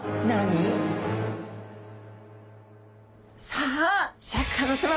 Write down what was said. さあシャーク香音さま